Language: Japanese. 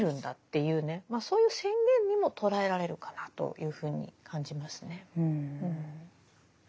そういう宣言にも捉えられるかなというふうに感じますね。